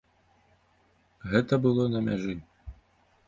Гэта было на мяжы.